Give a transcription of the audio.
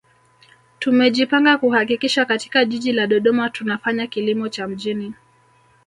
Tumejipanga kuhakikisha katika Jiji la Dodoma tunafanya kilimo cha mjini